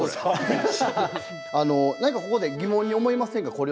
何かここで疑問に思いませんか？